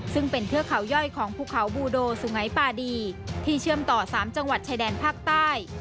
ซึ่งเป็นเทือกเขาย่อยของภูเขาบูโดสุงัยปาดีที่เชื่อมต่อ๓จังหวัดชายแดนภาคใต้